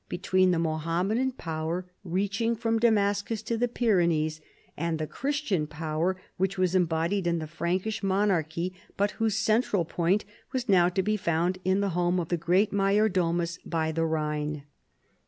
55 between the Mohammedan power reaching from Damascus to the Pyrenees, and the Christian power which was embodied in the Frankish monarch}^, but whose central point was now to be found in the home of the great major domus by the Rhine.